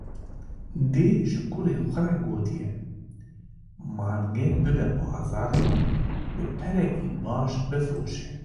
Dê ji kurê xwe re gotiye: Mangê bibe bazarê, bi perekî baş bifroşe.